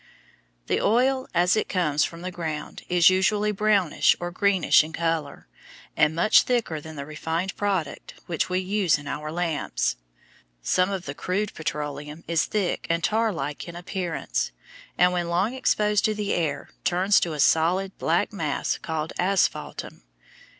The oil as it comes from the ground is usually brownish or greenish in color, and much thicker than the refined product which we use in our lamps. Some of the crude petroleum is thick and tar like in appearance, and when long exposed to the air turns to a solid black mass called "asphaltum."